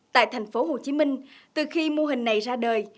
tại thành phố hồ chí minh từ khi mô hình này ra đời